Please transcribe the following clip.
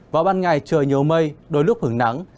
vào ban ngày trời nhiều mây đôi lúc hứng nắng